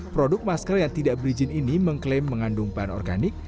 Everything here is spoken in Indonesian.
produk masker yang tidak berizin ini mengklaim mengandung bahan organik